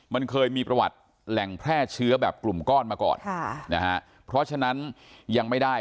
มันเคยมีประวัติแหล่งแพร่เชื้อแบบกลุ่มก้อนมาก่อนค่ะนะฮะเพราะฉะนั้นยังไม่ได้